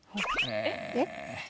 えっ？